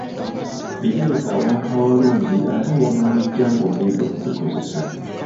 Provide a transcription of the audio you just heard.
Bitereke awantu awalungi ate w‘onoobijja ng‘ogenda okubikozesa.